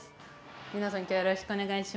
皆さん今日はよろしくお願いします。